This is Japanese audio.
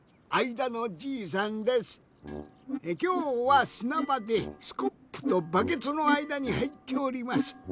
きょうはすなばでスコップとバケツのあいだにはいっております。